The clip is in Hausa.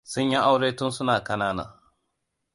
Sun yi aure tun suna ƙanana.